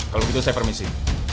kalau gitu saya permisi